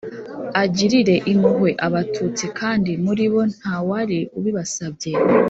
agirire impuhwe abatutsi kandi muri bo ntawari ubibasabye.